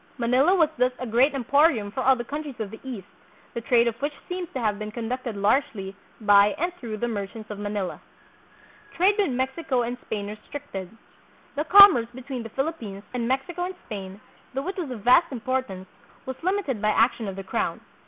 Manila was thus a great em porium for all the countries of the East, the trade of which seems to have been conducted largely by and through the merchants of Manila. Trade with Mexico and Spain Restricted. The com merce between the Philippines, and Mexico and Spain, though it was of vast importance, was limited by action of the crown.